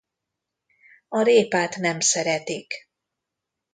A répát nem szeretik.